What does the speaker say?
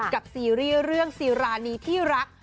ซีรีส์เรื่องซีรานีที่รัก